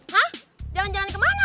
hah jalan jalan kemana